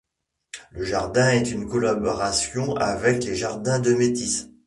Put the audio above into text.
Le jardin est une collaboration avec les jardins de métis.